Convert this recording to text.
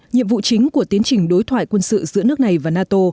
nhiệm vụ chính của tiến trình đối thoại quân sự giữa nước này và nato